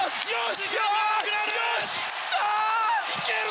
時間がなくなる！